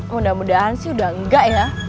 mudah mudahan sih udah enggak ya